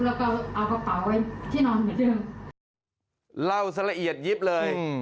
แล้วก็เอากระเป๋าไว้ที่นอนเหมือนเดิมเล่าซะละเอียดยิบเลยอืม